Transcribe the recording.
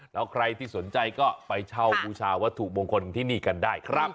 แล้วใครที่สนใจก็ไปเช่าบูชาวัตถุมงคลที่นี่กันได้ครับ